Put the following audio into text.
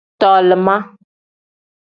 Tolima.